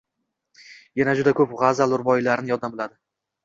Yana juda ko`p g`azal-ruboiylarni yoddan biladi